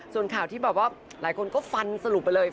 ส่วนข่าวที่แบบว่าหลายคนก็ฟันสรุปไปเลย